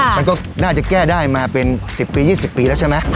มันก็น่าจะแก้ได้มาเป็น๑๐ปี๒๐ปีแล้วใช่ไหม